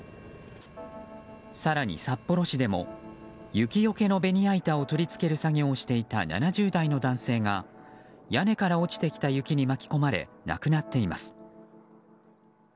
更に札幌市でも雪よけのベニヤ板を取り付ける作業をしていた７０代の男性が屋根から落ちてきた雪に巻き込まれ、亡くなっています。